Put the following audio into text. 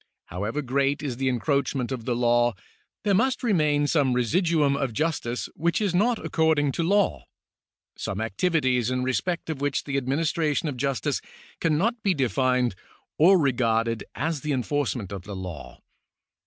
However great is the encroachment of the law, there must remain some residuum of justice Avhich is not according to law — some activities in respect of which the administration of justice cannot be defined or regarded as the enforcement of the law.